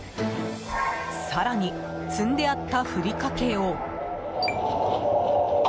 更に、積んであったふりかけを。